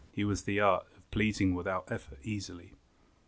His was the art Of pleasing without effort easily.